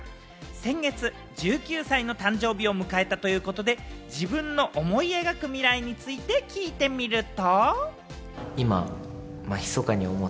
先月、１９歳の誕生日を迎えたということで、自分の思い描く未来について聞いてみると。